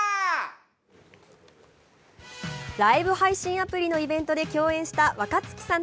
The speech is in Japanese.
ライブ配信アプリのイベントで共演した若槻さん